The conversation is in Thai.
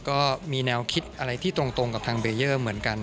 ก็มีแนวคิดอะไรที่ตรงกับทางเบเยอร์เหมือนกัน